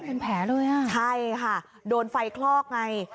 เป็นแผลเลยอ่ะใช่ค่ะโดนไฟคลอกไง